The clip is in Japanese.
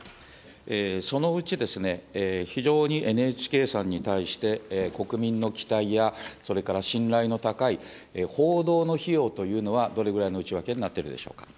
そのうちですね、非常にＮＨＫさんに対して、国民の期待や、それから信頼の高い報道の費用というのは、どれぐらいの内訳になってるでしょうか。